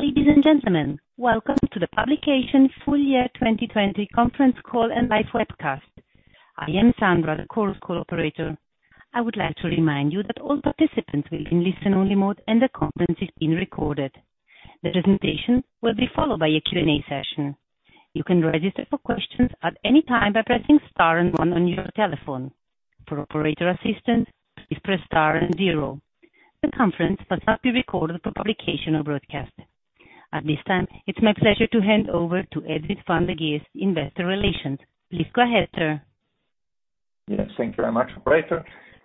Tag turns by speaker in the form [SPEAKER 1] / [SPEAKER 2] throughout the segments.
[SPEAKER 1] Ladies and gentlemen, welcome to the Publication Full Year 2020 Conference Call and Live Webcast. I am Sandra, the call's co-Operator. I would like to remind you that all participants will be in listen-only mode and the conference is being recorded. The presentation will be followed by a Q&A session. You can register for questions at any time by pressing star and one on your telephone. For operator assistance, please press star and zero. The conference must not be recorded for publication or broadcast. At this time, it's my pleasure to hand over to Edwin van der Geest, Investor Relations. Please go ahead, sir.
[SPEAKER 2] Thank you very much, Operator.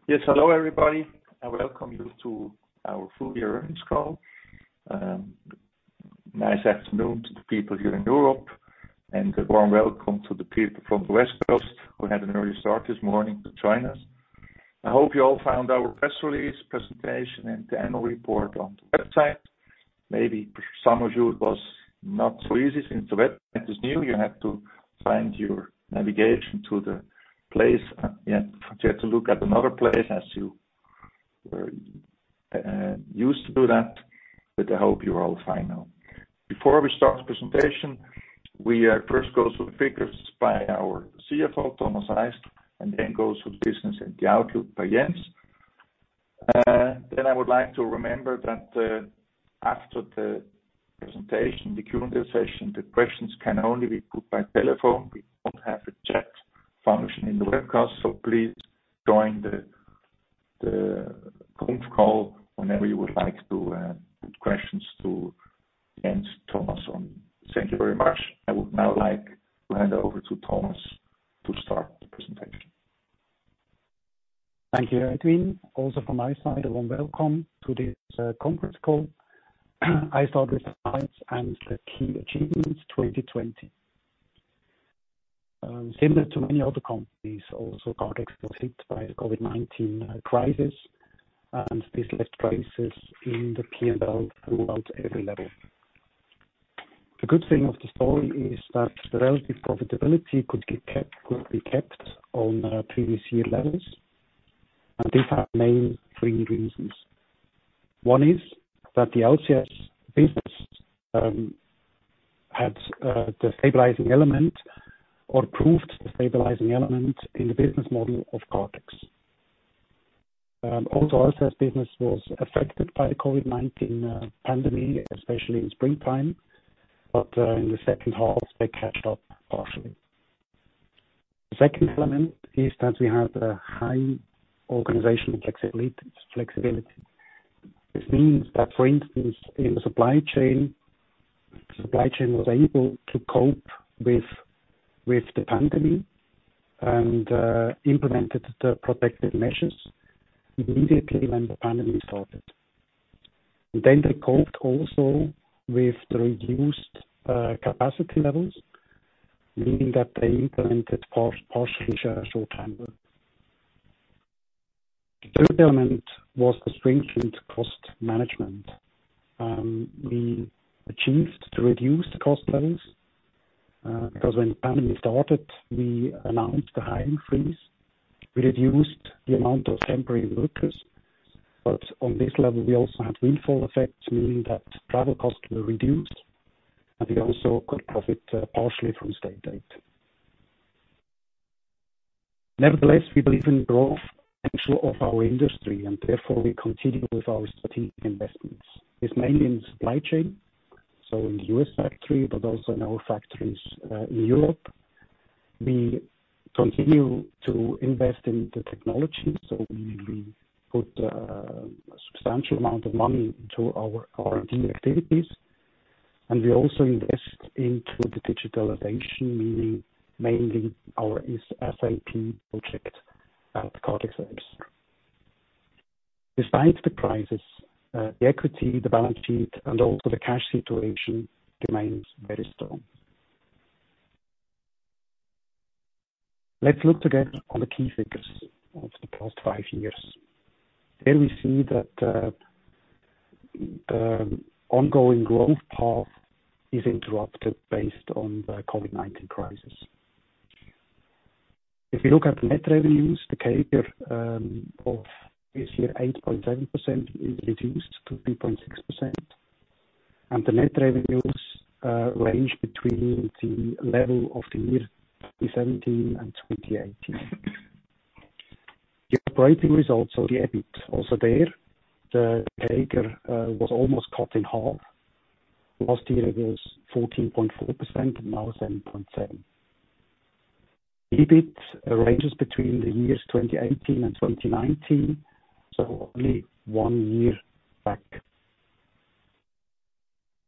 [SPEAKER 2] Hello everybody, and welcome you to our full year earnings call. Nice afternoon to the people here in Europe, and a warm welcome to the people from the West Coast who had an early start this morning to join us. I hope you all found our press release presentation and the annual report on the website. Maybe for some of you it was not so easy since the website is new. You have to find your navigation to the place. You have to look at another place as you used to do that. I hope you're all fine now. Before we start the presentation, we first go through the figures by our Chief Financial Officer, Thomas Reist, and then go through the business and the outlook by Jens. I would like to remember that after the presentation, the Q&A session, the questions can only be put by telephone. We don't have a chat function in the webcast, please join the conf call whenever you would like to put questions to Jens, Thomas, or me. Thank you very much. I would now like to hand over to Thomas to start the presentation.
[SPEAKER 3] Thank you, Edwin. Also from my side, a warm welcome to this conference call. I start with the highlights and the key achievements 2020. Similar to many other companies, also Kardex was hit by the COVID-19 crisis, and this left crisis in the P&L throughout every level. The good thing of the story is that the relative profitability could be kept on previous year levels, and these are main three reasons. One is that the LCS business had the stabilizing element or proved the stabilizing element in the business model of Kardex. Also, LCS business was affected by the COVID-19 pandemic, especially in springtime, but in the second half, they catched up partially. The second element is that we have a high organizational flexibility. This means that, for instance, in the supply chain, supply chain was able to cope with the pandemic and implemented the protective measures immediately when the pandemic started. They coped also with the reduced capacity levels, meaning that they implemented partial short-time work. The third element was the strengthened cost management. We achieved to reduce the cost levels, because when the pandemic started, we announced a hiring freeze. We reduced the amount of temporary workers, but on this level, we also had windfall effects, meaning that travel costs were reduced, and we also got profit partially from state aid. Nevertheless, we believe in growth potential of our industry, and therefore we continue with our strategic investments, is mainly in supply chain, so in the U.S. factory, but also in our factories in Europe. We continue to invest in the technology. We put a substantial amount of money to our R&D activities, and we also invest into the digitalization, meaning mainly our SAP project at the Kardex sites. Besides the prices, the equity, the balance sheet, and also the cash situation remains very strong. Let's look together on the key figures of the past five years. Here we see that the ongoing growth path is interrupted based on the COVID-19 crisis. If you look at net revenues, the CAGR of this year, 8.7%, is reduced to 3.6%. The net revenues range between the level of the year 2017 and 2018. The operating results of the EBIT also there, the CAGR was almost cut in half. Last year it was 14.4%, now 7.7%. EBIT ranges between the years 2018 and 2019, so only one year back.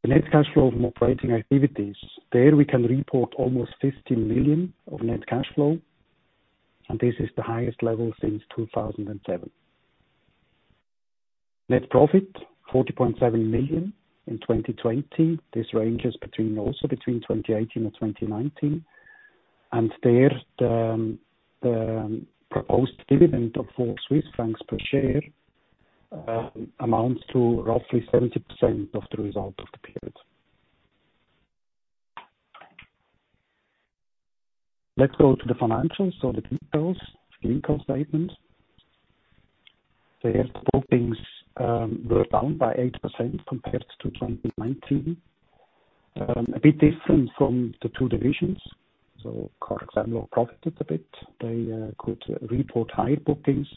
[SPEAKER 3] The net cash flow from operating activities. There we can report almost 50 million of net cash flow. This is the highest level since 2007. Net profit, 40.7 million in 2020. This ranges also between 2018 and 2019. There, the proposed dividend of 4 Swiss francs per share amounts to roughly 70% of the result of the period. Let's go to the financials, so the details, the income statement. There bookings were down by 8% compared to 2019. A bit different from the two divisions. Kardex Mlog profited a bit. They could report higher bookings.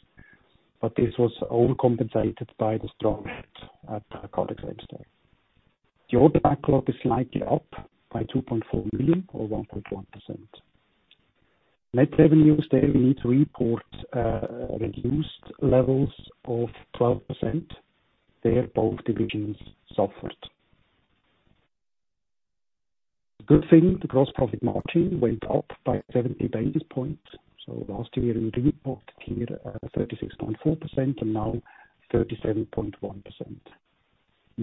[SPEAKER 3] This was overcompensated by the strong hit at Kardex Remstar. The order backlog is slightly up by 2.4 million or 1.1%. Net revenues, there we need to report reduced levels of 12%. There both divisions suffered. Good thing, the gross profit margin went up by 70 basis points. Last year we reported here 36.4% and now 37.1%. The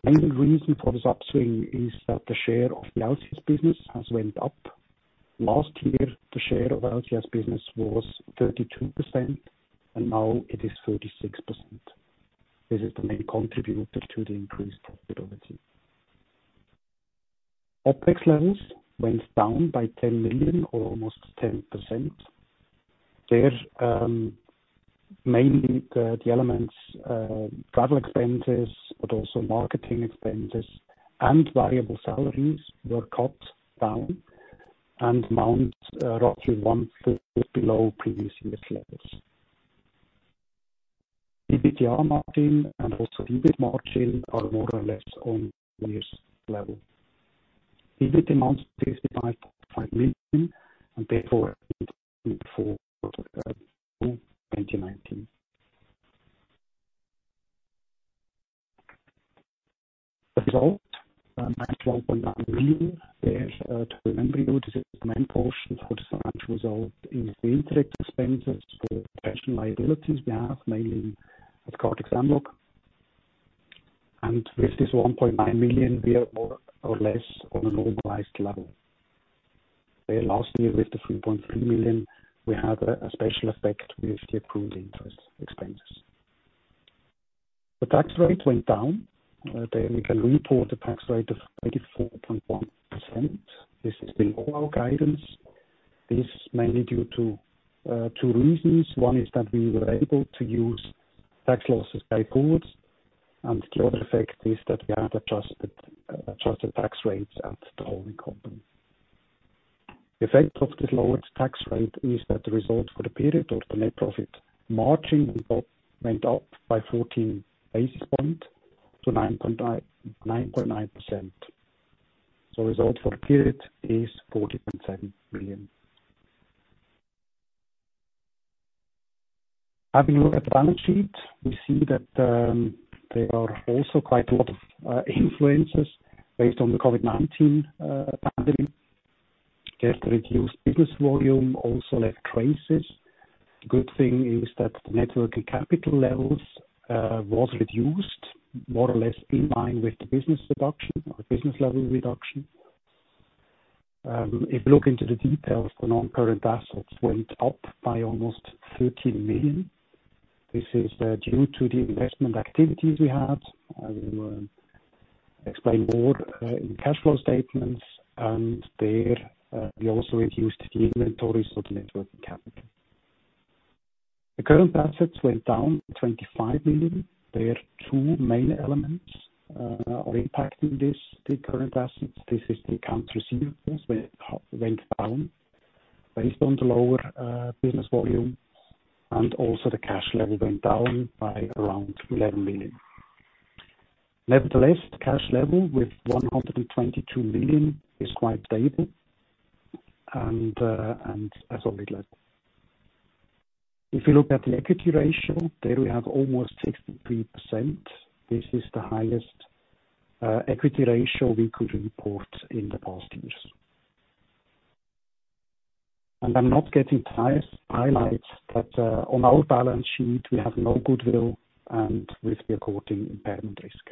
[SPEAKER 3] main reason for this upswing is that the share of the LCS business has went up. Last year, the share of LCS business was 32%, and now it is 36%. This is the main contributor to the increased profitability. OpEx levels went down by 10 million or almost 10%. There, mainly the elements travel expenses, but also marketing expenses and variable salaries were cut down and amount roughly one-third below previous year's levels. EBITDA margin and also EBIT margin are more or less on last level. EBIT amounts to CHF 65.5 million, and therefore 2019. The result, -1.9 million. There to remember here, this is the main portion for this financial result in the interest expenses for pension liabilities we have mainly at Kardex Mlog. With this 1.9 million, we are more or less on a normalized level. There last year with the 3.3 million, we had a special effect with the accrued interest expenses. The tax rate went down. There we can report a tax rate of 34.1%. This is below our guidance. This mainly due to two reasons. One is that we were able to use tax losses carried forward, and the other effect is that we had adjusted tax rates at the holding company. Effect of the lower tax rate is that the result for the period of the net profit margin went up by 14 basis points to 9.9%. Result for the period is 40.7 million. Having a look at the balance sheet, we see that there are also quite a lot of influences based on the COVID-19 pandemic. There the reduced business volume also left traces. Good thing is that the net working capital levels was reduced more or less in line with the business reduction or business level reduction. If you look into the details, the non-current assets went up by almost 13 million. This is due to the investment activities we had. We will explain more in cash flow statements, and there we also reduced the inventory, so the net working capital. The current assets went down 25 million. There two main elements are impacting the current assets. This is the accounts receivable went down based on the lower business volume, and also the cash level went down by around 11 million. Nevertheless, the cash level with 122 million is quite stable and at a good level. If you look at the equity ratio, there we have almost 63%. This is the highest equity ratio we could report in the past years. I'm not getting tired to highlight that on our balance sheet, we have no goodwill and with the according impairment risk.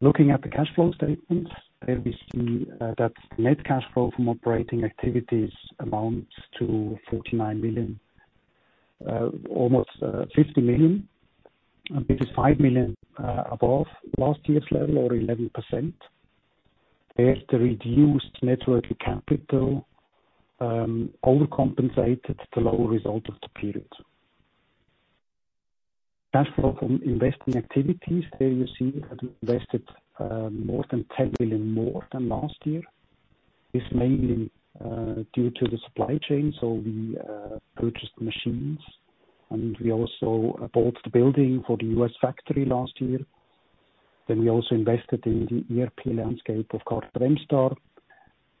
[SPEAKER 3] Looking at the cash flow statement, there we see that net cash flow from operating activities amounts to 49 million, almost 50 million. It is 5 million above last year's level or 11%. There the reduced net working capital overcompensated the lower result of the period. Cash flow from investing activities, there you see had invested more than 10 million more than last year. This mainly due to the supply chain, so we purchased machines, and we also bought the building for the U.S. factory last year. We also invested in the ERP landscape of Kardex Remstar,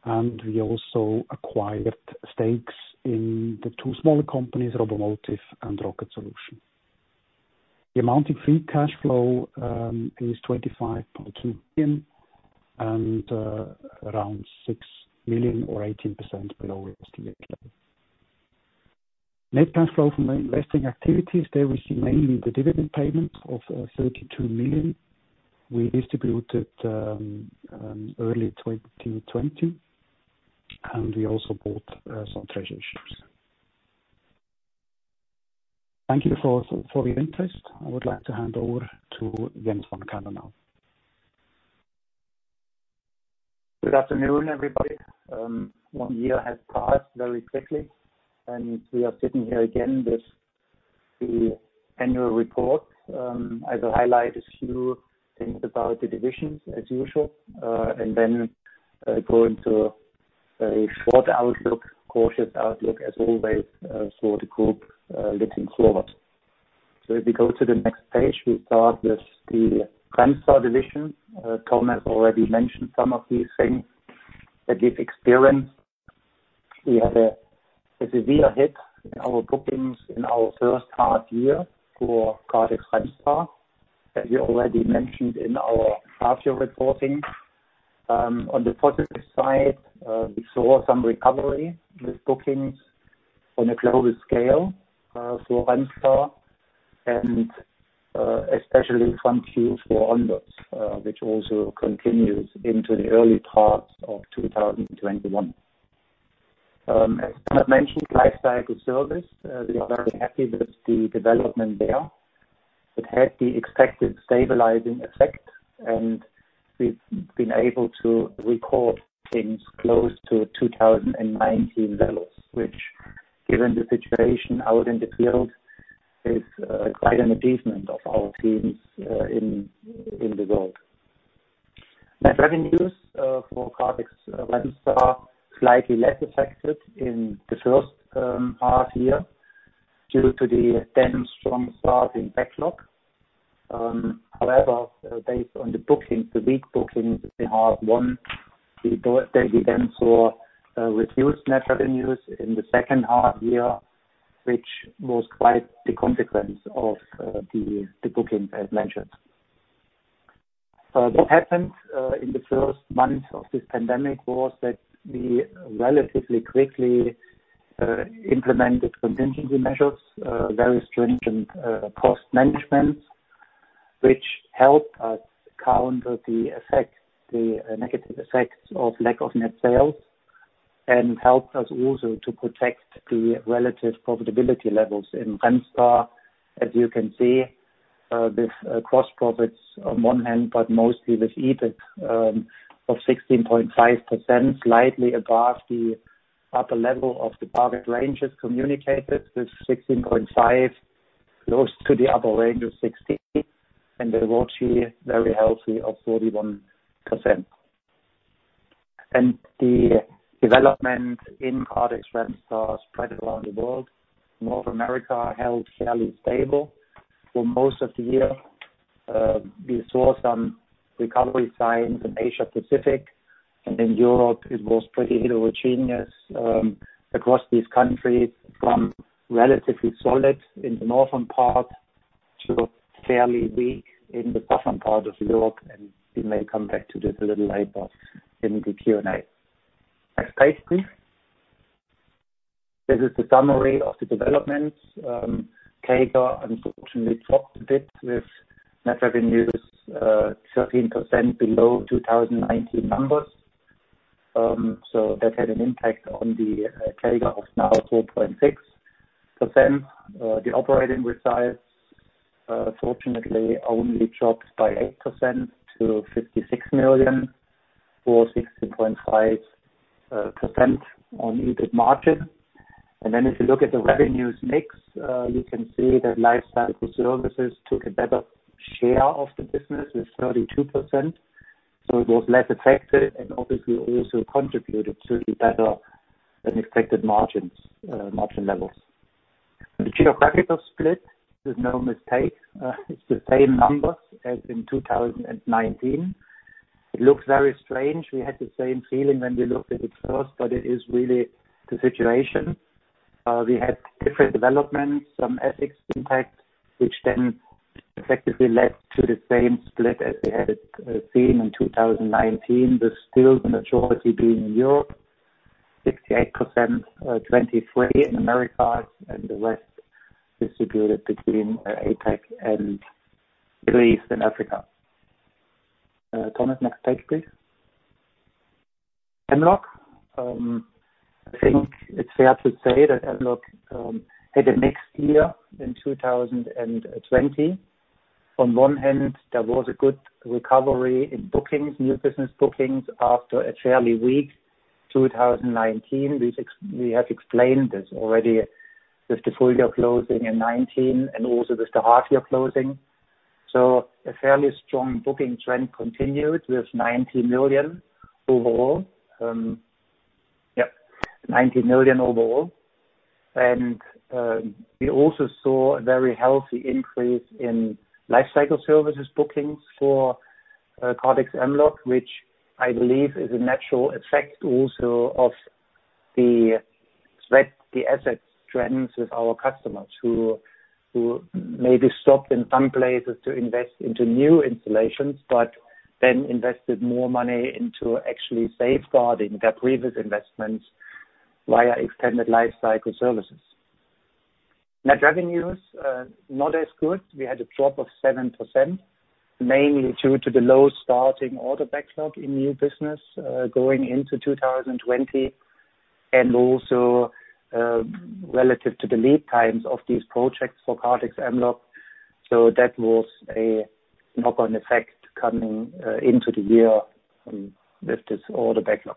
[SPEAKER 3] and we also acquired stakes in the two smaller companies, Robomotive and Rocket Solution. The amount in free cash flow is 25.2 million and around 6 million or 18% below last year. Net cash flow from investing activities, there we see mainly the dividend payment of 32 million. We distributed early 2020, and we also bought some treasuries. Thank you for the interest. I would like to hand over to Jens Fankhänel now.
[SPEAKER 4] Good afternoon, everybody. One year has passed very quickly. We are sitting here again with the annual report. I will highlight a few things about the divisions as usual. Then go into a short outlook, cautious outlook as always, for the group looking forward. If we go to the next page, we start with the Remstar division. Thomas already mentioned some of these things that we've experienced. We had a severe hit in our bookings in our first half year for Kardex Remstar, as we already mentioned in our half-year reporting. On the positive side, we saw some recovery with bookings on a global scale for Remstar. Especially some queues for orders, which also continues into the early parts of 2021. As Thomas mentioned, Life Cycle Services, we are very happy with the development there. It had the expected stabilizing effect, and we've been able to record things close to 2019 levels, which, given the situation out in the field, is quite an achievement of our teams in the world. Net revenues for Kardex Remstar, slightly less affected in the first half year due to the then strong start in backlog. However, based on the bookings, the weak bookings in H1, we then saw reduced net revenues in the second half year, which was quite the consequence of the bookings I mentioned. What happened in the first months of this pandemic was that we relatively quickly implemented contingency measures, very stringent cost management, which helped us counter the negative effects of lack of net sales, and helped us also to protect the relative profitability levels in Remstar. As you can see, with gross profits on one hand, but mostly with EBIT of 16.5%, slightly above the upper level of the target ranges communicated with 16.5%, close to the upper range of 16%, the ROCE, very healthy of 31%. The development in Kardex Remstar spread around the world. North America held fairly stable for most of the year. We saw some recovery signs in Asia Pacific. In Europe, it was pretty heterogeneous across these countries, from relatively solid in the northern part to fairly weak in the southern part of Europe. We may come back to this a little later in the Q&A. Next page, please. This is the summary of the developments. CAGR unfortunately dropped a bit with net revenues 13% below 2019 numbers. That had an impact on the CAGR of now 4.6%. The operating results, fortunately, only dropped by 8% to 56 million, or 16.5% on EBIT margin. If you look at the revenues mix, you can see that Life Cycle Services took a better share of the business with 32%. It was less affected and obviously also contributed to the better-than-expected margin levels. The geographical split is no mistake. It's the same numbers as in 2019. It looks very strange. We had the same feeling when we looked at it first, but it is really the situation. We had different developments, some FX impact, which then effectively led to the same split as we had seen in 2019, with still the majority being in Europe, 68%, 23% in Americas, and the rest distributed between APAC and Middle East and Africa. Thomas, next page, please. Mlog. I think it's fair to say that Mlog had a mixed year in 2020. On one hand, there was a good recovery in bookings, new business bookings, after a fairly weak 2019. We have explained this already with the full year closing in 2019 and also with the half year closing. A fairly strong booking trend continued with 90 million overall. Yep, 90 million overall. We also saw a very healthy increase in Life Cycle Services bookings for Kardex Mlog, which I believe is a natural effect also of the sweat the assets trends with our customers who maybe stopped in some places to invest into new installations, but then invested more money into actually safeguarding their previous investments via extended Life Cycle Services. Net revenues, not as good. We had a drop of 7%. Mainly due to the low starting order backlog in new business going into 2020, and also relative to the lead times of these projects for Kardex Mlog. That was a knock-on effect coming into the year with this order backlog.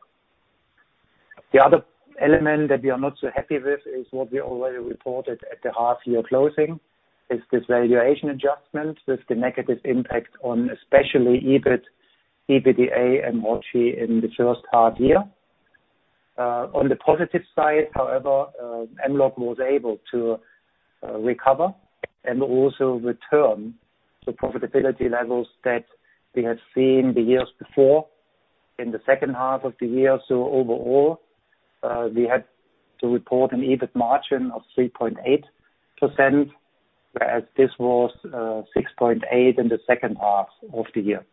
[SPEAKER 4] The other element that we are not so happy with is what we already reported at the half year closing, is this valuation adjustment with the negative impact on especially EBIT, EBITDA, and ROCE in the first half year. On the positive side, however, Mlog was able to recover and also return to profitability levels that we had seen the years before in the second half of the year. Overall, we had to report an EBIT margin of 3.8%, whereas this was 6.8% in the second half of the year,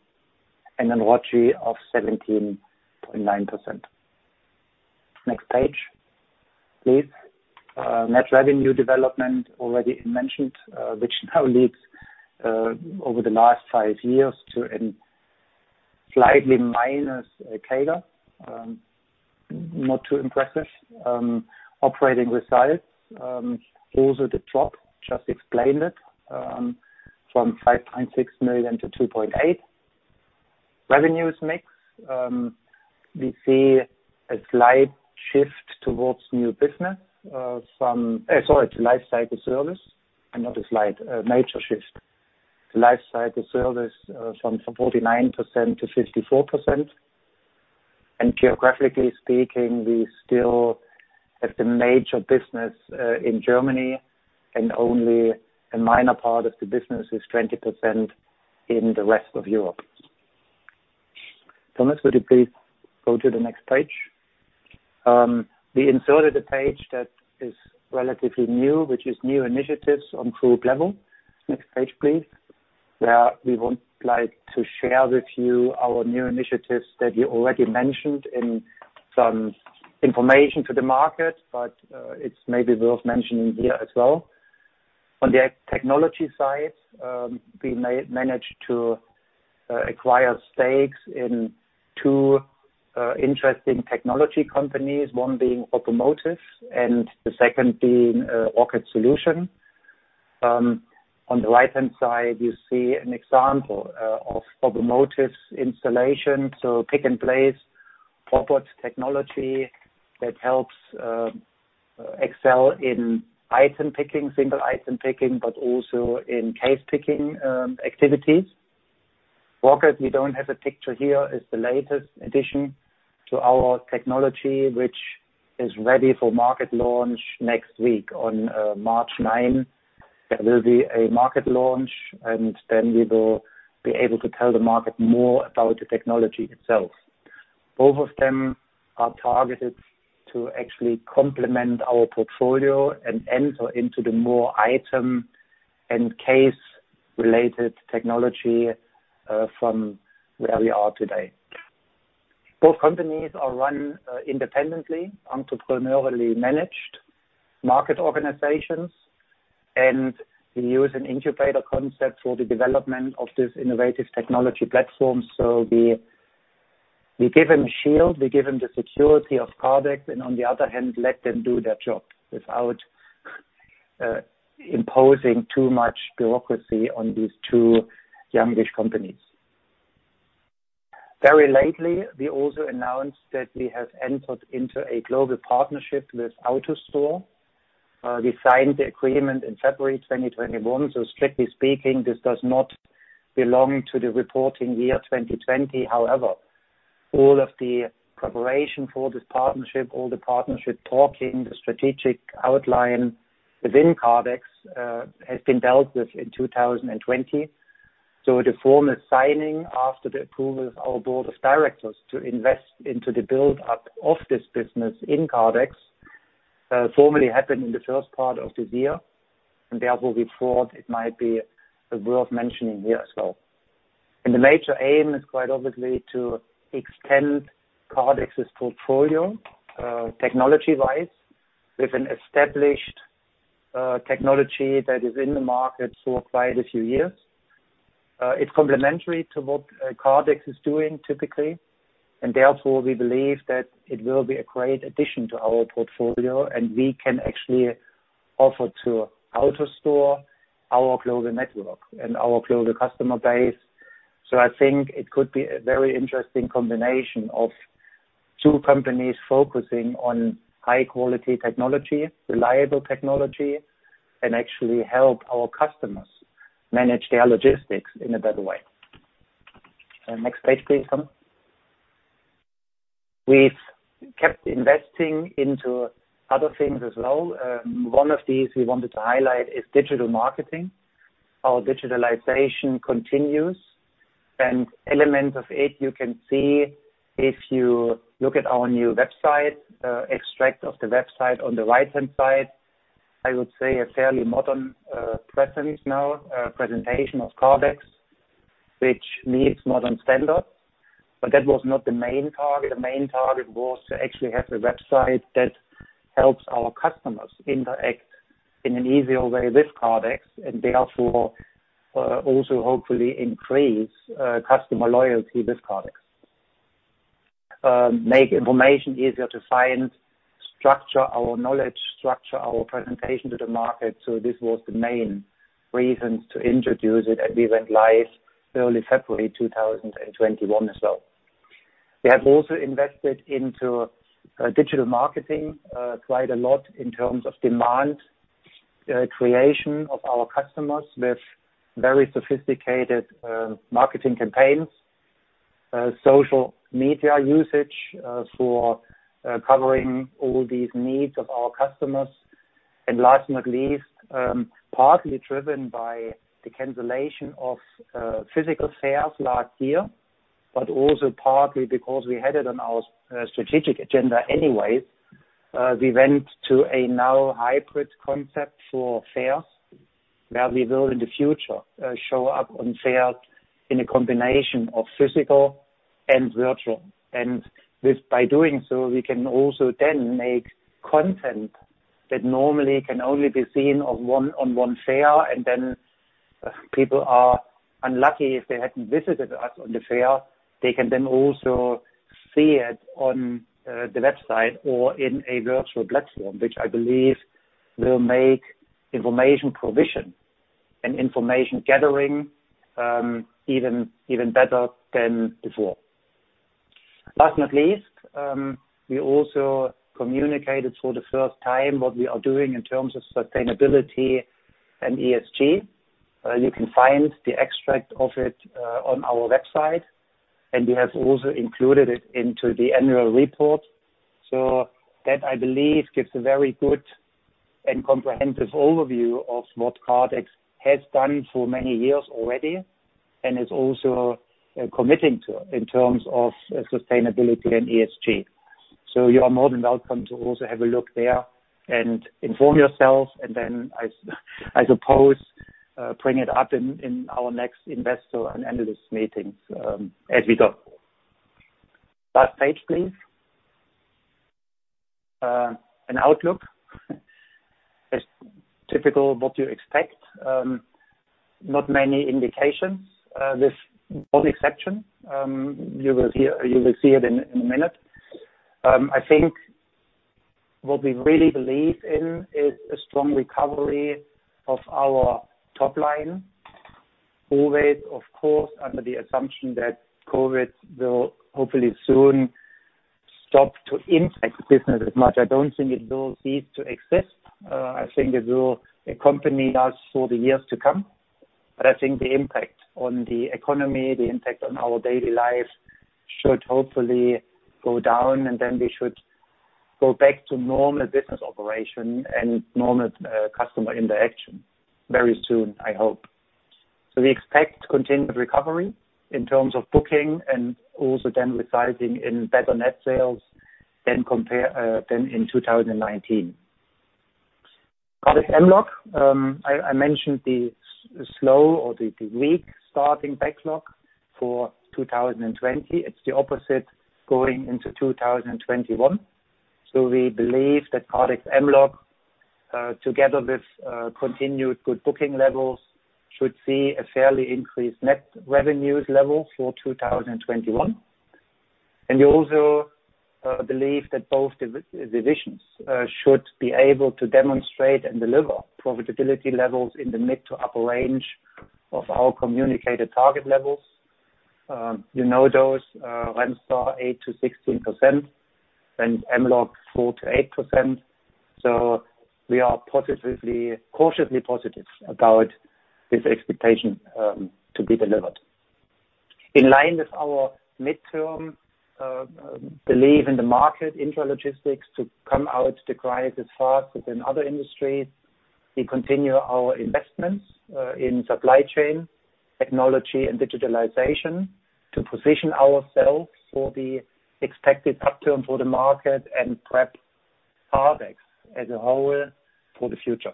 [SPEAKER 4] and an ROCE of 17.9%. Next page, please. Net revenue development already mentioned, which now leads over the last five years to a slightly minus CAGR. Not too impressive. Operating results, also the drop, just explained it, from 5.6 million to 2.8 million. Revenues mix, we see a slight shift towards new business Sorry, to Life Cycle Services, and not a slight, a major shift to Life Cycle Services from 49% to 54%. Geographically speaking, we still have the major business in Germany and only a minor part of the business is 20% in the rest of Europe. Thomas, would you please go to the next page? We inserted a page that is relatively new, which is new initiatives on Group level. Next page, please. We would like to share with you our new initiatives that we already mentioned in some information to the market, but it's maybe worth mentioning here as well. On the technology side, we managed to acquire stakes in two interesting technology companies, one being Robomotive and the second being Rocket Solution. On the right-hand side, you see an example of Robomotive installation. Pick-and-place robots technology that helps excel in item picking, single item picking, but also in case picking activities. Orchid, we don't have a picture here, is the latest addition to our technology, which is ready for market launch next week. On March 9, there will be a market launch, then we will be able to tell the market more about the technology itself. Both of them are targeted to actually complement our portfolio and enter into the more item and case related technology from where we are today. Both companies are run independently, entrepreneurially managed market organizations. We use an incubator concept for the development of this innovative technology platform. We give them shield, we give them the security of Kardex, and on the other hand, let them do their job without imposing too much bureaucracy on these two youngish companies. Very lately, we also announced that we have entered into a global partnership with AutoStore. We signed the agreement in February 2021. Strictly speaking, this does not belong to the reporting year 2020. However, all of the preparation for this partnership, all the partnership talking, the strategic outline within Kardex, has been dealt with in 2020. The formal signing after the approval of our board of directors to invest into the build up of this business in Kardex, formally happened in the first part of the year, and therefore we thought it might be worth mentioning here as well. The major aim is quite obviously to extend Kardex's portfolio, technology-wise, with an established technology that is in the market for quite a few years. It's complementary to what Kardex is doing typically, and therefore, we believe that it will be a great addition to our portfolio, and we can actually offer to AutoStore our global network and our global customer base. I think it could be a very interesting combination of two companies focusing on high quality technology, reliable technology, and actually help our customers manage their logistics in a better way. Next page, please, Thomas. We've kept investing into other things as well. One of these we wanted to highlight is digital marketing. Our digitalization continues, and elements of it you can see if you look at our new website, extract of the website on the right-hand side. I would say a fairly modern presence now, presentation of Kardex, which meets modern standards. That was not the main target. The main target was to actually have the website that helps our customers interact in an easier way with Kardex, and therefore, also hopefully increase customer loyalty with Kardex. Make information easier to find, structure our knowledge, structure our presentation to the market. This was the main reason to introduce it, and we went live early February 2021 as well. We have also invested into digital marketing quite a lot in terms of demand, creation of our customers with very sophisticated marketing campaigns, social media usage, for covering all these needs of our customers. Last not least, partly driven by the cancellation of physical sales last year, but also partly because we had it on our strategic agenda anyways. We went to a now hybrid concept for fairs, where we will in the future, show up on fairs in a combination of physical and virtual. By doing so, we can also then make content that normally can only be seen on one fair, and then people are unlucky if they hadn't visited us on the fair. They can then also see it on the website or in a virtual platform, which I believe will make information provision and information gathering, even better than before. Last not least, we also communicated for the first time what we are doing in terms of sustainability and ESG. You can find the extract of it on our website, and we have also included it into the annual report. That, I believe gives a very good and comprehensive overview of what Kardex has done for many years already, and is also committing to in terms of sustainability and ESG. You are more than welcome to also have a look there and inform yourselves, and then I suppose, bring it up in our next Investor and Analyst meetings, as we go. Last page, please. An outlook. As typical what you expect, not many indications, with one exception. You will see it in a minute. I think what we really believe in is a strong recovery of our top line. Always, of course, under the assumption that COVID will hopefully soon stop to impact the business as much. I don't think it will cease to exist. I think it will accompany us for the years to come. I think the impact on the economy, the impact on our daily life should hopefully go down, and then we should go back to normal business operation and normal customer interaction very soon, I hope. We expect continued recovery in terms of booking and also then resulting in better net sales than in 2019. Kardex Mlog. I mentioned the slow or the weak starting backlog for 2020. It's the opposite going into 2021. We believe that Kardex Mlog, together with continued good booking levels, should see a fairly increased net revenues level for 2021. We also believe that both divisions should be able to demonstrate and deliver profitability levels in the mid to upper range of our communicated target levels. You know those, Remstar 8%-16%, then Mlog 4%-8%. We are cautiously positive about this expectation to be delivered. In line with our midterm, believe in the market intralogistics to come out the crisis faster than other industries. We continue our investments in supply chain, technology, and digitalization to position ourselves for the expected upturn for the market and prep Kardex as a whole for the future,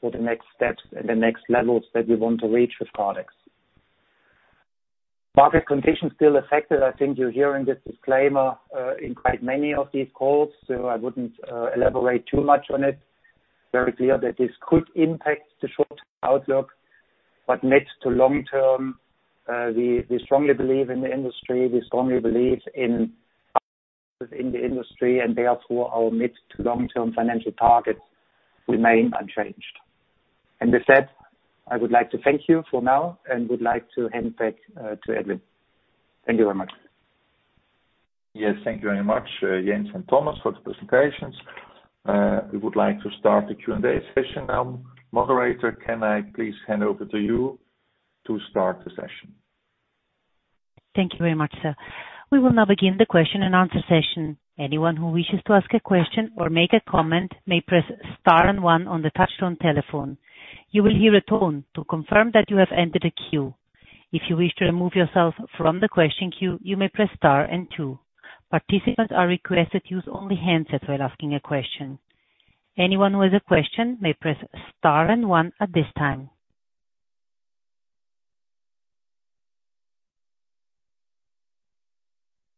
[SPEAKER 4] for the next steps and the next levels that we want to reach with Kardex. Market conditions still affected. I think you're hearing this disclaimer in quite many of these calls. I wouldn't elaborate too much on it. Very clear that this could impact the short outlook. Mid to long term, we strongly believe in the industry, therefore our mid to long-term financial targets remain unchanged. With that, I would like to thank you for now and would like to hand back to Edwin. Thank you very much.
[SPEAKER 2] Yes, thank you very much, Jens and Thomas, for the presentations. We would like to start the Q&A session now. Moderator, can I please hand over to you to start the session?
[SPEAKER 1] Thank you very much, sir. We will now begin the question and answer session. Anyone who wishes to ask a question or make a comment may press star and one on the touchtone telephone. You will hear a tone to confirm that you have entered a queue. If you wish to remove yourself from the question queue, you may press star and two. Participants are requested use only handsets while asking a question. Anyone with a question may press star and one at this time.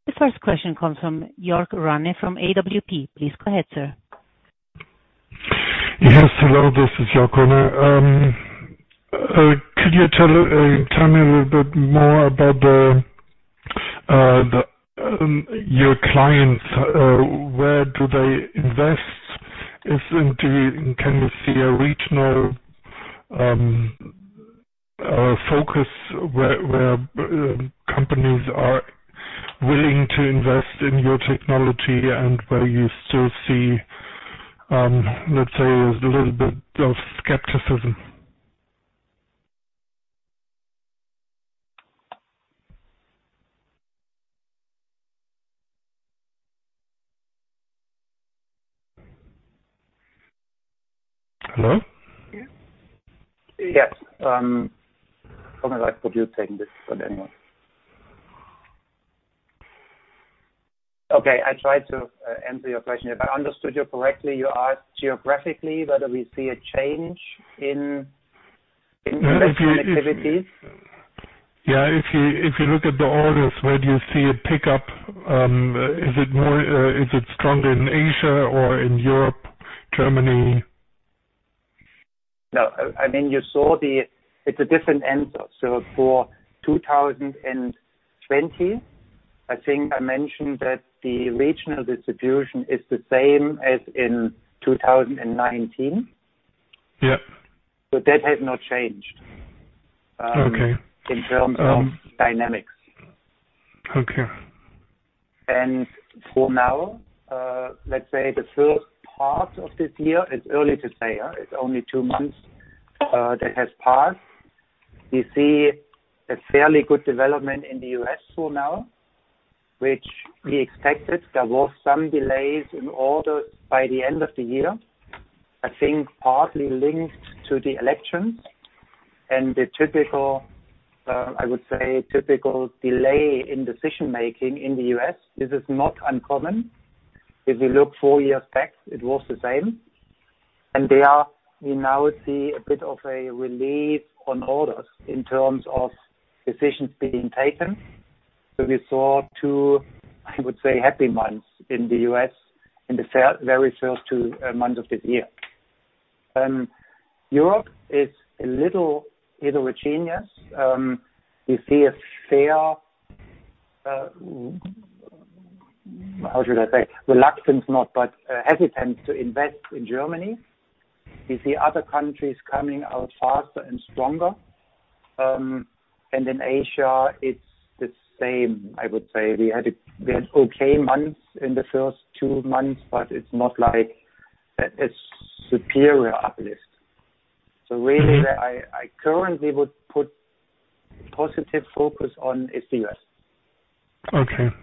[SPEAKER 1] The first question comes from Jörg Runge from AWP. Please go ahead, Sir.
[SPEAKER 5] Yes. Hello, this is Jörg Runge. Could you tell me a little bit more about your clients. Where do they invest? Can you see a regional focus where companies are willing to invest in your technology and where you still see, let's say, a little bit of skepticism? Hello?
[SPEAKER 4] Yes. Thought I could mute then, anyway. Okay. I try to answer your question. If I understood you correctly, you asked geographically whether we see a change in investment activities.
[SPEAKER 5] Yeah. If you look at the orders, where do you see a pickup? Is it stronger in Asia or in Europe, Germany?
[SPEAKER 4] No. You saw it's a different answer. For 2020, I think I mentioned that the regional distribution is the same as in 2019.
[SPEAKER 5] Yeah.
[SPEAKER 4] That has not changed.
[SPEAKER 5] Okay.
[SPEAKER 4] In terms of dynamics.
[SPEAKER 5] Okay.
[SPEAKER 4] For now, let's say the first part of this year, it's early to say. It's only two months that has passed. We see a fairly good development in the U.S. for now, which we expected. There were some delays in orders by the end of the year, I think partly linked to the elections and the, I would say, typical delay in decision-making in the U.S. This is not uncommon. If you look four years back, it was the same. There, we now see a bit of a relief on orders in terms of decisions being taken. We saw two, I would say, happy months in the U.S. in the very first two months of this year. Europe is a little heterogeneous. We see a fair, how should I say, reluctance not, but hesitant to invest in Germany. We see other countries coming out faster and stronger. In Asia it's the same, I would say. We had okay months in the first two months, but it's not like a superior uplift. Really, I currently would put positive focus on is the U.S.
[SPEAKER 5] Okay.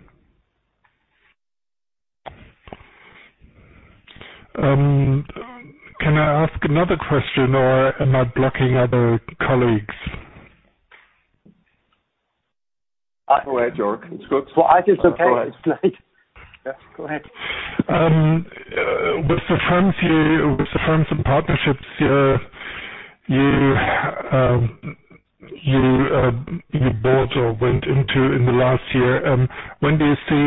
[SPEAKER 5] Can I ask another question or am I blocking other colleagues?
[SPEAKER 2] Go ahead, Jörg. It's good.
[SPEAKER 4] Well, I think it's okay. It's late.
[SPEAKER 2] Yeah, go ahead.
[SPEAKER 5] With the firms and partnerships you bought or went into in the last year, when do you see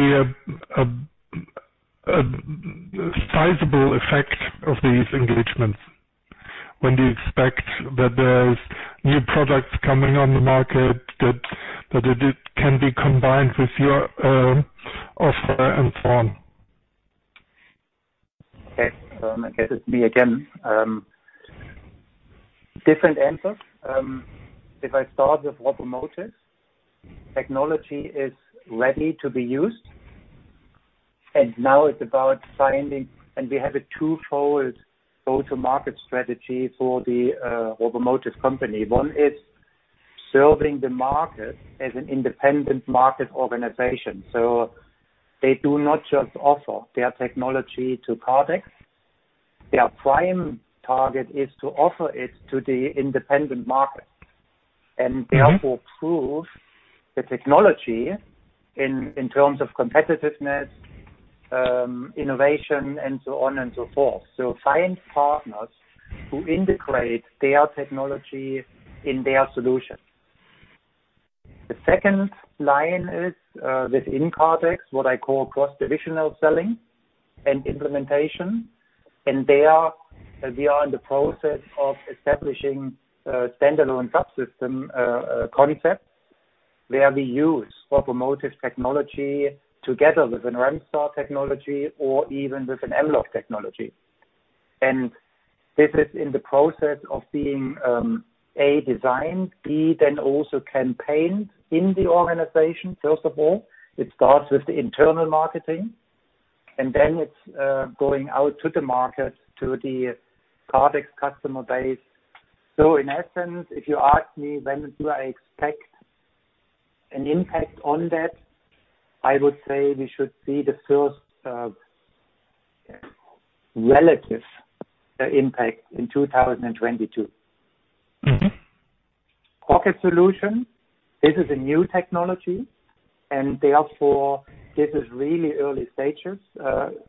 [SPEAKER 5] a sizable effect of these engagements? When do you expect that there's new products coming on the market that it can be combined with your offer and so on?
[SPEAKER 4] Okay. I guess it's me again. Different answers. If I start with Robomotive, technology is ready to be used. We have a two-fold go-to-market strategy for the Robomotive company. One is serving the market as an independent market organization. They do not just offer their technology to Kardex. Their prime target is to offer it to the independent market and therefore prove the technology in terms of competitiveness, innovation, and so on and so forth. Find partners who integrate their technology in their solution. The second line is, within Kardex, what I call cross-divisional selling and implementation. We are in the process of establishing a standalone subsystem concept, where we use Robomotive technology together with a Remstar technology or even with a Mlog technology. This is in the process of being, A, designed, B, then also campaigned in the organization, first of all. It starts with the internal marketing, and then it's going out to the market to the Kardex customer base. In essence, if you ask me when do I expect an impact on that, I would say we should see the first relative impact in 2022. Rocket Solution, this is a new technology. Therefore, this is really early stages.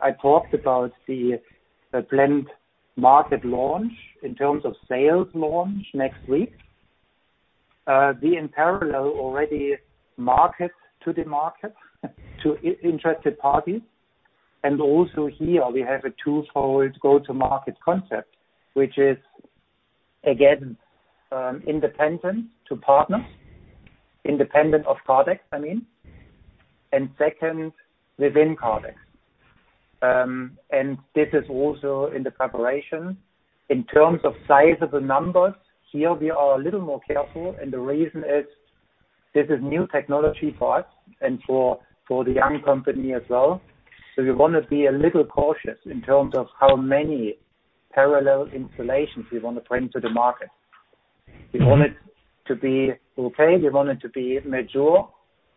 [SPEAKER 4] I talked about the blend market launch in terms of sales launch next week. We, in parallel, already market to the market to interested parties, and also here we have a two-fold go-to-market concept, which is, again, independent to partners, independent of Kardex, I mean, and second, within Kardex. This is also in the preparation. In terms of size of the numbers, here we are a little more careful, and the reason is this is new technology for us and for the young company as well. We want to be a little cautious in terms of how many parallel installations we want to bring to the market. We want it to be okay, we want it to be mature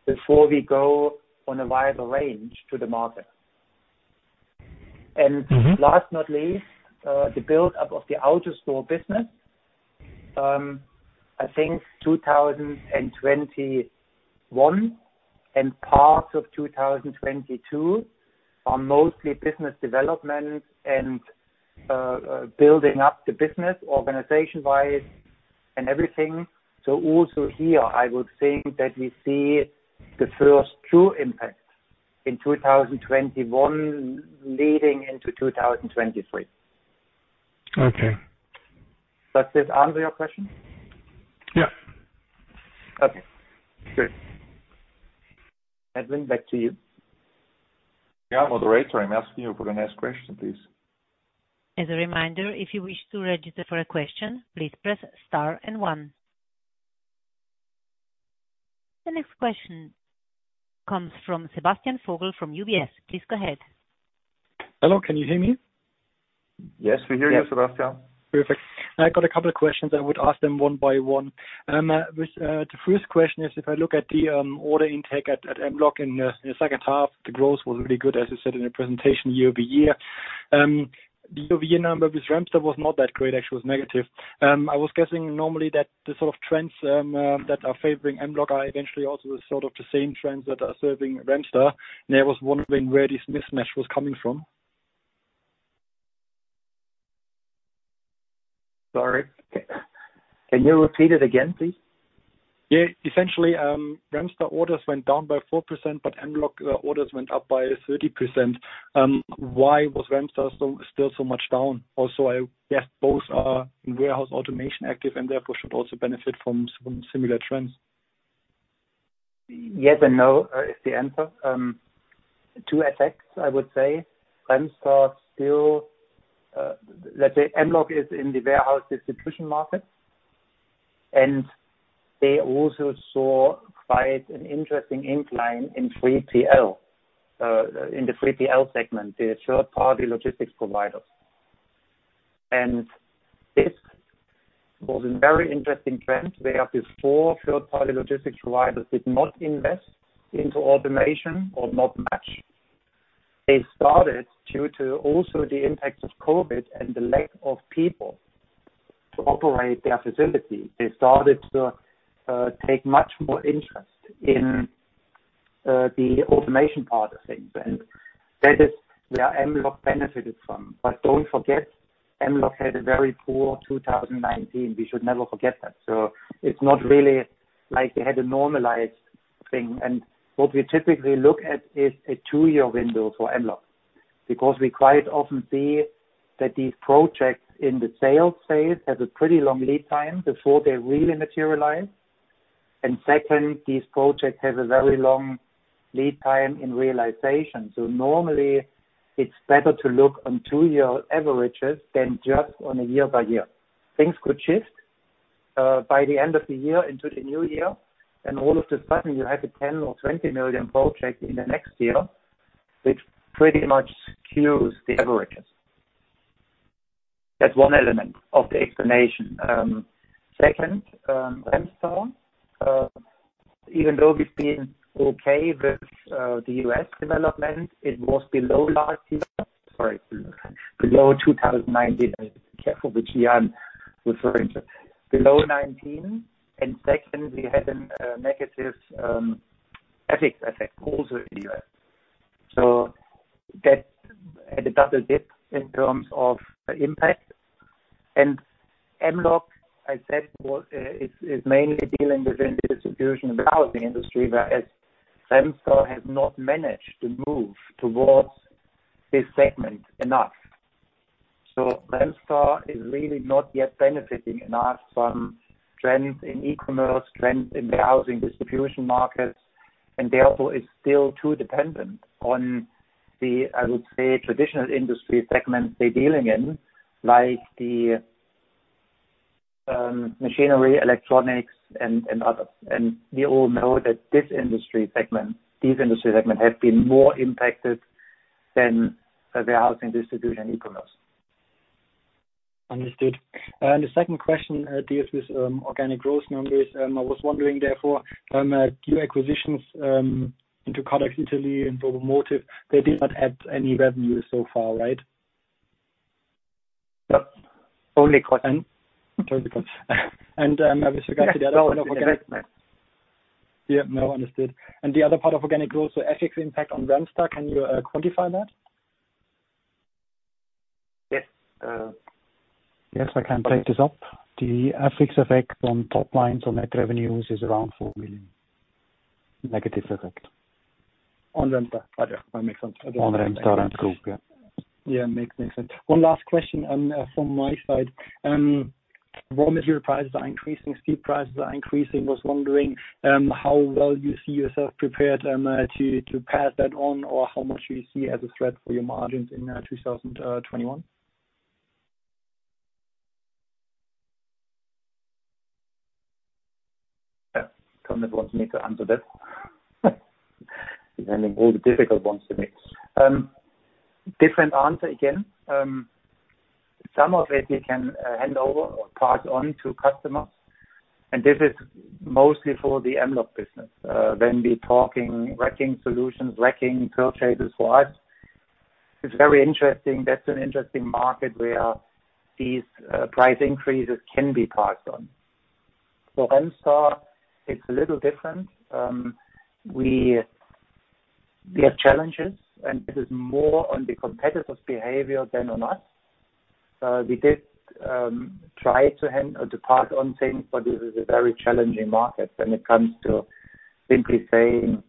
[SPEAKER 4] before we go on a wider range to the market. Last not least, the buildup of the AutoStore business. I think 2021 and parts of 2022 are mostly business development and building up the business organization-wise and everything. Also here, I would think that we see the first true impact in 2021 leading into 2023.
[SPEAKER 2] Okay.
[SPEAKER 4] Does this answer your question?
[SPEAKER 5] Yeah.
[SPEAKER 4] Okay. Good. Edwin, back to you.
[SPEAKER 2] Yeah, Moderator, I'm asking you for the next question, please.
[SPEAKER 1] As a reminder, if you wish to register for a question, please press star and one. The next question comes from Sebastian Vogel from UBS. Please go ahead.
[SPEAKER 6] Hello, can you hear me?
[SPEAKER 2] Yes, we hear you, Sebastian.
[SPEAKER 6] Perfect. I got a couple of questions. I would ask them one by one. The first question is, if I look at the order intake at Mlog in the second half, the growth was really good, as you said in the presentation, year-over-year. The year-over-year number with Remstar was not that great, actually it was negative. I was guessing normally that the sort of trends that are favoring Mlog are eventually also the sort of the same trends that are serving Remstar, and I was wondering where this mismatch was coming from.
[SPEAKER 4] Sorry. Can you repeat it again, please?
[SPEAKER 6] Yeah. Essentially, Remstar orders went down by 4%, but Mlog orders went up by 30%. Why was Remstar still so much down? Also, I guess both are in warehouse automation active, and therefore should also benefit from similar trends.
[SPEAKER 4] Yes and no is the answer. Two effects, I would say. Let's say Mlog is in the warehouse distribution market, and they also saw quite an interesting incline in the 3PL segment, the third-party logistics provider. This was a very interesting trend where before third-party logistics providers did not invest into automation or not much. They started due to also the impact of COVID and the lack of people to operate their facility. They started to take much more interest in the automation part of things, and that is where Mlog benefited from. Don't forget, Mlog had a very poor 2019. We should never forget that. It's not really like they had a normalized thing. What we typically look at is a two-year window for Mlog, because we quite often see that these projects in the sales phase have a pretty long lead time before they really materialize. Second, these projects have a very long lead time in realization. Normally, it's better to look on two-year averages than just on a year-by-year. Things could shift, by the end of the year into the new year, and all of a sudden you have a 10 million or 20 million project in the next year, which pretty much skews the averages. That's one element of the explanation. Second, Remstar, even though we've been okay with the U.S. development, it was below 2019. Be careful which year I'm referring to. Below 2019. Secondly, we had a negative effect also in the U.S. That had a double dip in terms of impact. Mlog, I said, is mainly dealing within the distribution warehousing industry, whereas Remstar has not managed to move towards this segment enough. Remstar is really not yet benefiting enough from trends in e-commerce, trends in the housing distribution markets, and therefore is still too dependent on the, I would say, traditional industry segments they're dealing in, like the machinery, electronics and others. We all know that these industry segments have been more impacted than the warehousing, distribution, e-commerce.
[SPEAKER 6] Understood. The second question deals with organic growth numbers. I was wondering therefore, your acquisitions, into Kardex Italia and Robomotive, they did not add any revenue so far, right?
[SPEAKER 4] Only costs.
[SPEAKER 6] Only costs. With regard to the other point.
[SPEAKER 4] No, organic.
[SPEAKER 6] Yeah, no, understood. The other part of organic growth, the FX impact on Remstar, can you quantify that?
[SPEAKER 4] Yes.
[SPEAKER 3] Yes, I can take this up. The FX effect on top line, so net revenues, is around 4 million negative effect.
[SPEAKER 6] On Remstar. That makes sense.
[SPEAKER 3] On Remstar and group, yeah.
[SPEAKER 6] Yeah, makes sense. One last question from my side. Raw material prices are increasing, steel prices are increasing. I was wondering how well you see yourself prepared to pass that on, or how much you see as a threat for your margins in 2021.
[SPEAKER 4] Thomas wants me to answer that. He's handing all the difficult ones to me. Different answer again. Some of it we can hand over or pass on to customers, and this is mostly for the Mlog business. When we're talking racking solutions, racking container wise, it's very interesting. That's an interesting market where these price increases can be passed on. For Remstar, it's a little different. We have challenges, and this is more on the competitive behavior than on us. We did try to pass on things, but this is a very challenging market when it comes to simply saying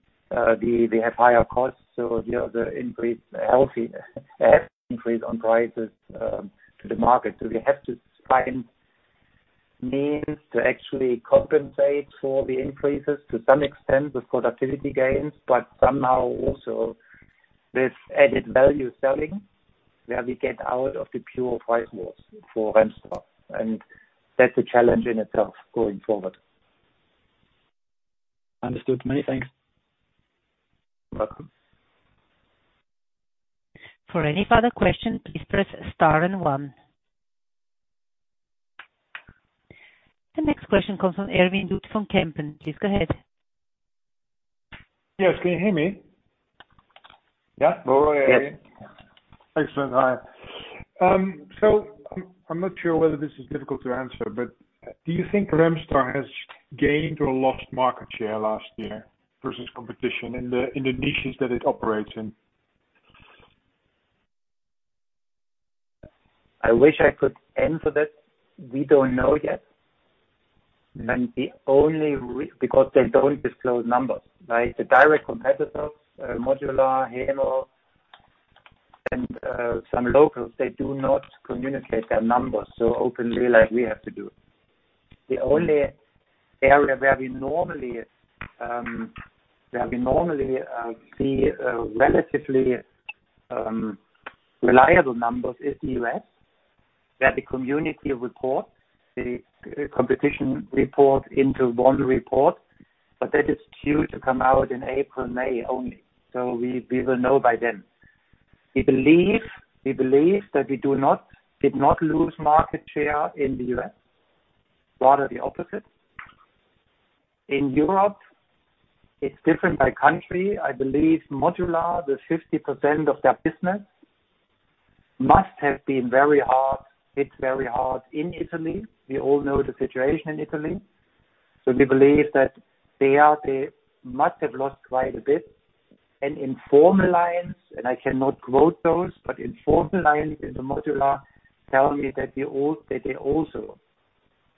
[SPEAKER 4] we have higher costs, so here's the increase, healthy increase on prices, to the market. We have to find means to actually compensate for the increases to some extent with productivity gains, but somehow also with added value selling, where we get out of the pure price wars for Remstar. That's a challenge in itself going forward.
[SPEAKER 6] Understood. Many thanks.
[SPEAKER 4] You're welcome.
[SPEAKER 1] For any further question, please press star and one. The next question comes from Erwin Dut from Kempen. Please go ahead.
[SPEAKER 7] Yes, can you hear me?
[SPEAKER 4] Yeah.
[SPEAKER 3] Yes.
[SPEAKER 7] Excellent. Hi. I'm not sure whether this is difficult to answer, but do you think Remstar has gained or lost market share last year versus competition in the niches that it operates in?
[SPEAKER 4] I wish I could answer that. We don't know yet. Because they don't disclose numbers, right? The direct competitors, Modula, Hänel, and some locals, they do not communicate their numbers so openly like we have to do. The only area where we normally see relatively reliable numbers is the U.S., where the community report, the competition report into one report, that is due to come out in April, May only. We will know by then. We believe that we did not lose market share in the U.S. Rather the opposite. In Europe, it's different by country. I believe Modula, the 50% of their business must have been very hard, hit very hard in Italy. We all know the situation in Italy. We believe that they must have lost quite a bit. Informal lines, I cannot quote those, informal lines in the Modula tell me that they also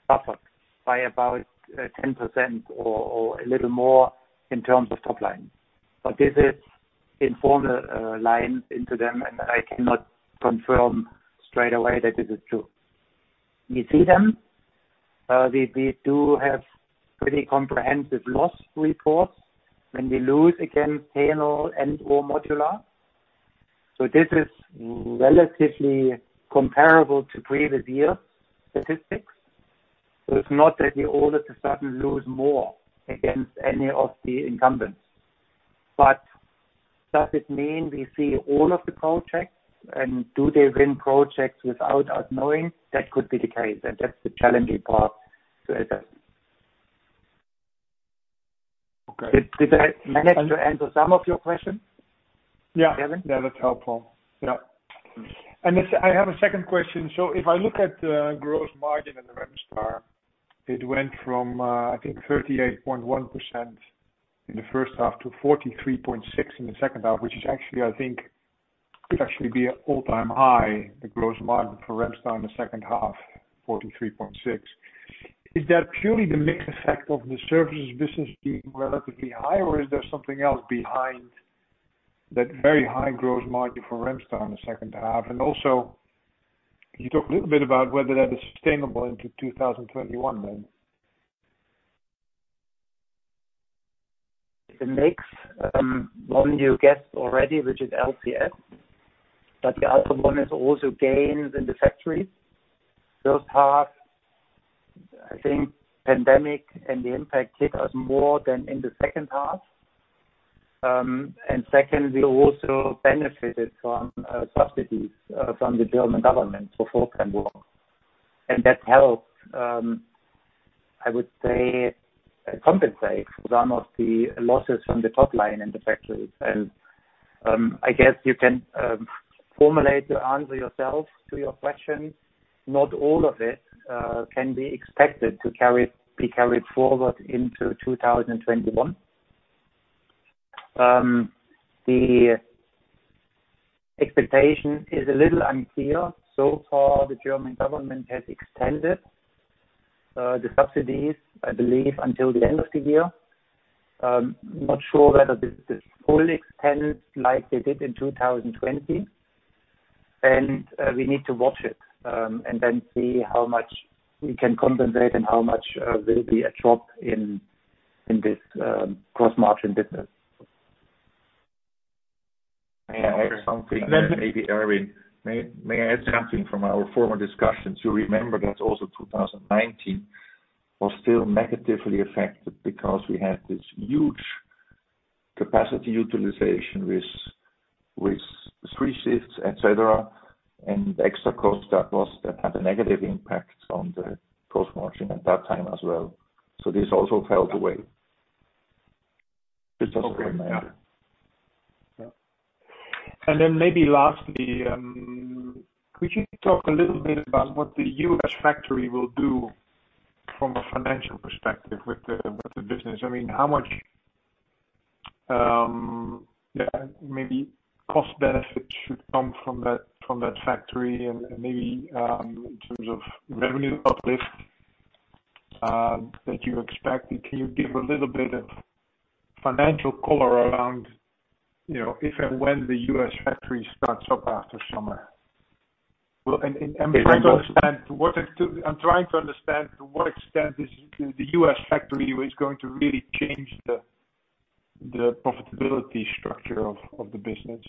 [SPEAKER 4] suffered by about 10% or a little more in terms of top line. This is informal lines into them, I cannot confirm straight away that this is true. We see them. We do have pretty comprehensive loss reports when we lose against Hänel and/or Modula. This is relatively comparable to previous year statistics. It's not that we all of a sudden lose more against any of the incumbents. Does it mean we see all of the projects, and do they win projects without us knowing? That could be the case, and that's the challenging part to assess.
[SPEAKER 7] Okay.
[SPEAKER 4] Did I manage to answer some of your question?
[SPEAKER 7] Yeah.
[SPEAKER 4] Erwin?
[SPEAKER 7] That was helpful. Yeah. I have a second question. If I look at the gross margin in the Remstar, it went from, I think 38.1% in the first half to 43.6% in the second half, which is actually, I think, could actually be an all-time high, the gross margin for Remstar in the second half, 43.6%. Is that purely the mix effect of the services business being relatively high, or is there something else behind that very high gross margin for Remstar in the second half? Also, can you talk a little bit about whether that is sustainable into 2021 then?
[SPEAKER 4] The mix, one you guessed already, which is LCS, but the other one is also gains in the factories. First half, I think pandemic and the impact hit us more than in the second half. Second, we also benefited from subsidies from the German government for short-term work, and that helped I would say compensate for some of the losses from the top line in the factories. I guess you can formulate the answer yourself to your question. Not all of it can be expected to be carried forward into 2021. The expectation is a little unclear. So far, the German government has extended the subsidies, I believe, until the end of the year. I'm not sure whether this is fully extended like they did in 2020, and we need to watch it, and then see how much we can compensate and how much will be a drop in this gross margin business.
[SPEAKER 3] May I add something? Maybe, Erwin, may I add something from our former discussions? You remember that also 2019 was still negatively affected because we had this huge capacity utilization with three shifts, et cetera, and the extra cost that had a negative impact on the gross margin at that time as well. This also fell away. Just as a reminder.
[SPEAKER 4] Okay. Yeah.
[SPEAKER 7] Then maybe lastly, could you talk a little bit about what the U.S. factory will do from a financial perspective with the business? How much maybe cost benefit should come from that factory and maybe in terms of revenue uplift that you expect. Can you give a little bit of financial color around, if and when the U.S. factory starts up after summer?
[SPEAKER 4] Well.
[SPEAKER 7] I'm trying to understand to what extent is the U.S. factory is going to really change the profitability structure of the business.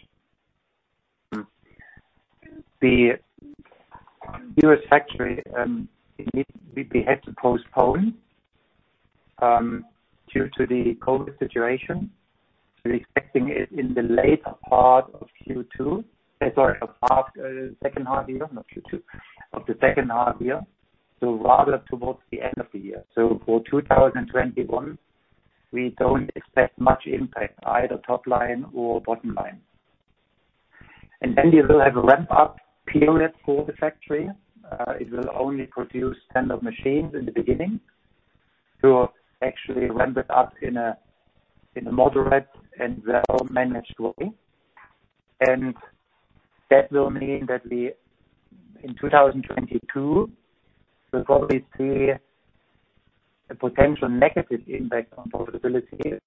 [SPEAKER 4] The U.S. factory, we had to postpone due to the COVID situation. We're expecting it in the later part of Q2, sorry, second half year, not Q2, of the second half year, rather towards the end of the year. For 2021, we don't expect much impact, either top line or bottom line. We will have a ramp-up period for the factory. It will only produce 10 of machines in the beginning to actually ramp it up in a moderate and well-managed way. That will mean that in 2022, we'll probably see a potential negative impact on profitability,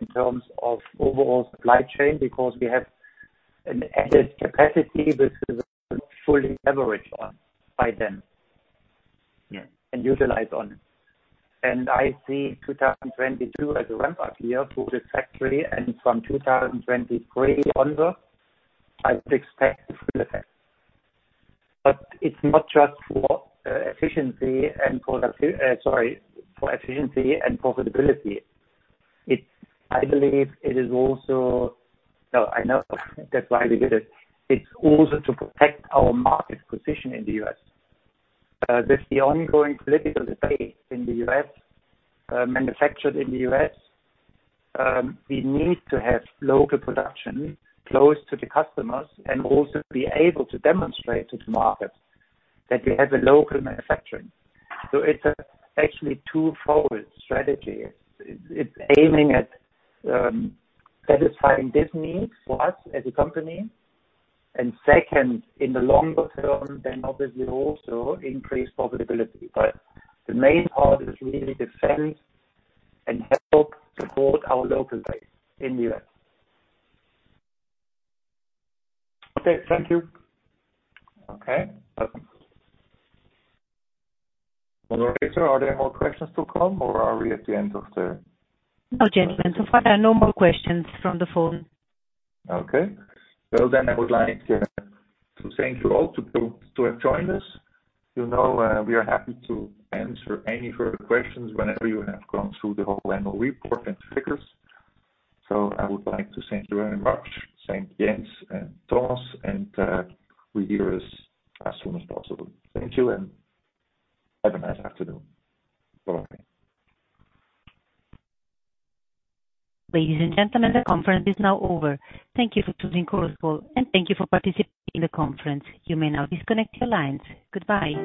[SPEAKER 4] in terms of overall supply chain, because we have an added capacity which is not fully leveraged on by then.
[SPEAKER 7] Yeah.
[SPEAKER 4] Utilized on. I see 2022 as a ramp-up year for the factory, and from 2023 onwards, I would expect a full effect. It's not just for efficiency and profitability. I know. That's why we did it. It's also to protect our market position in the U.S. With the ongoing political debate in the U.S., manufactured in the U.S., we need to have local production close to the customers and also be able to demonstrate to the market that we have a local manufacturing. It's actually two-fold strategy. It's aiming at satisfying this need for us as a company, second, in the longer term, then obviously also increase profitability. The main part is really defend and help support our local base in the U.S.
[SPEAKER 7] Okay. Thank you.
[SPEAKER 4] Okay.
[SPEAKER 2] Operator, are there more questions to come, or are we at the end of the?
[SPEAKER 1] No, gentlemen. So far, there are no more questions from the phone.
[SPEAKER 2] I would like to thank you all to have joined us. You know we are happy to answer any further questions whenever you have gone through the whole annual report and figures. I would like to thank you very much, thank Jens and Thomas, and we hear as soon as possible. Thank you, and have a nice afternoon. Bye-bye.
[SPEAKER 1] Ladies and gentlemen, the conference is now over. Thank you for choosing Chorus Call, and thank you for participating in the conference. You may now disconnect your lines. Goodbye.